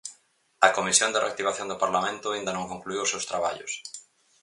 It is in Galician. A Comisión de Reactivación do Parlamento aínda non concluíu os seus traballos.